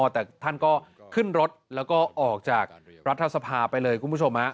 แต่ท่านก็ขึ้นรถแล้วก็ออกจากรัฐสภาไปเลยคุณผู้ชม